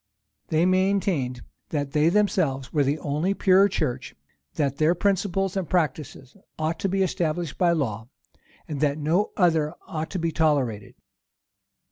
They maintained, that they themselves were the only pure church; that their principles and practices ought to be established by law; and that no others ought to be tolerated.